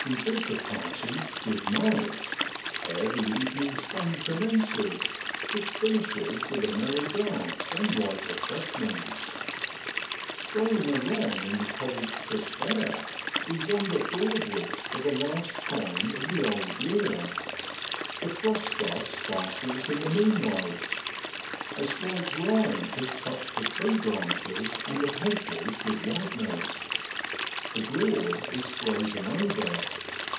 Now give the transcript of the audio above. We bid the party Good night ! ere the evening's fun commences, which finishes with a merry dance and light refreshments. Strolling along in the cold crisp air we wander Broadwards for the last time in the old year. The frost dust sparkles in the moonlight. A slight rime has touched the tree branches and the hedges with whiteness. The Broad is frozen over.